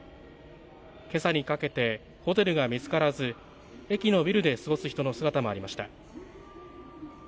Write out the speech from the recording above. けさにかけて、ホテルが見つからず駅のビルで過ごす人の姿もありました。